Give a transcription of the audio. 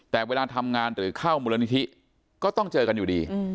แต่เวลาทำงานหรือเข้ามูลนิธิก็ต้องเจอกันอยู่ดี